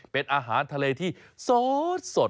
เป็นอาหารทะเลที่สด